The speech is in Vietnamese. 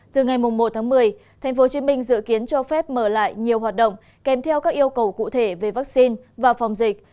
từ ngày một tháng một mươi tp hcm dự kiến cho phép mở lại nhiều hoạt động kèm theo các yêu cầu cụ thể về vaccine và phòng dịch